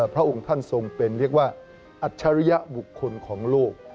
พระองค์ท่านทรงคิดเป็นอัจฉริยบุคคลของโลก